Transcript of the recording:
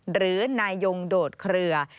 หรือนายยงโดดเคลือ